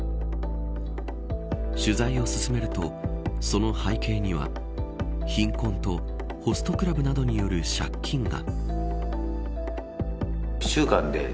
取材を進めるとその背景には貧困とホストクラブなどによる借金が。